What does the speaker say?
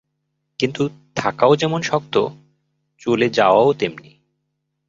কিন্তু থাকাও যেমন শক্ত, চলে যাওয়াও তেমনি।